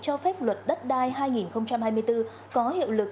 cho phép luật đất đai hai nghìn hai mươi bốn có hiệu lực